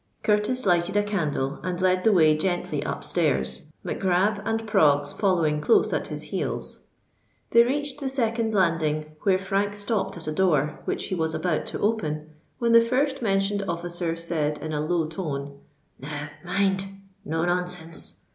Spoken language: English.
Curtis lighted a candle, and led the way gently up stairs, Mac Grab and Proggs following close at his heels. They reached the second landing, where Frank stopped at a door, which he was about to open, when the first mentioned officer said in a low tone, "Now, mind—no nonsense!